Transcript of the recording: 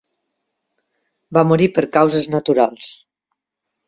Va morir per causes naturals.